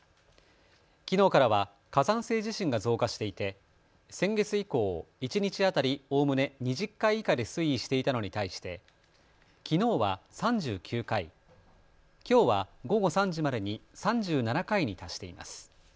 きのうからは火山性地震が増加していて先月以降一日当たりおおむね２０回以下で推移していたのに対してきのうは３９回、きょうは午後３時までに３７回に達しています。